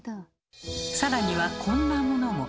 更にはこんなものも。